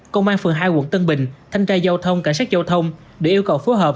công an phường hai quận tân bình thanh tra giao thông cảnh sát giao thông đã yêu cầu phối hợp